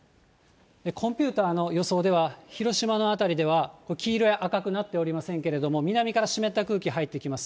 コンピューターの予想では、広島の辺りでは、これ、黄色や赤くなっておりませんけれども、南から湿った空気入ってきます。